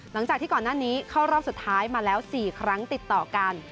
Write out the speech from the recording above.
หลังจากที่ก่อนหน้านี้เข้ารอบสุดท้ายมาแล้ว๔ครั้งติดต่อกัน